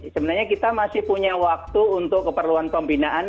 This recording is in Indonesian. sebenarnya kita masih punya waktu untuk keperluan pembinaan